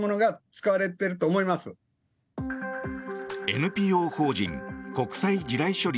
ＮＰＯ法人国際地雷処理